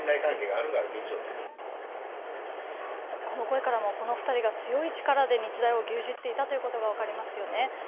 この声からもこの２人が強い力で日大を牛耳っていたことが分かりますよね。